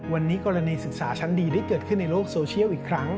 วันนี้กรณีศึกษาชั้นดีได้เกิดขึ้นในโลกโซเชียลอีกครั้ง